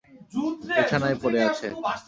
বিছানায় পড়ে আছে।